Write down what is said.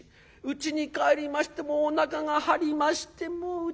うちに帰りましておなかが張りましてもう。